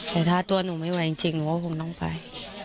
แต่ถ้าตัวหนูไม่ไหวจริงหนูก็คงต้องไป